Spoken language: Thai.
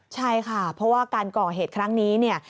ใช่ค่ะเพราะว่าการก่อเหตุครั้งนี้เนี่ย